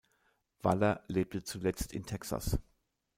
Waller lebte zuletzt in Texas.